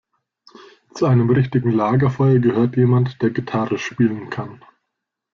Zu einem richtigen Lagerfeuer gehört jemand, der Gitarre spielen kann.